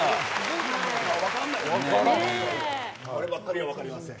こればっかりは分かりません。